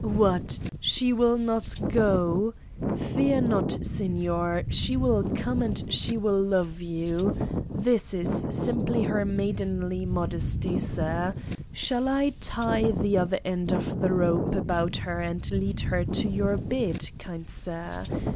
... What, she will not go? Fear not, Signer, she will come and she will love you. ... This is sim ply her maidenly modesty, Sir! Shall I tie the other end of the rope about her and lead her to your bed, kind sir?